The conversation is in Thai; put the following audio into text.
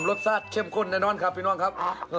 รสชาติเข้มข้นแน่นอนครับพี่น้องครับ